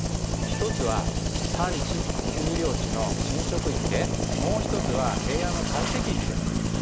一つは山地丘陵地の侵食域でもう一つは平野の堆積域です。